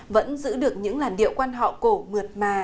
vẫn giữ được những làn điệu quán họ cổ mượt màng